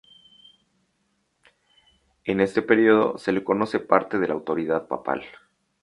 En este período se le concede parte de la autoridad papal.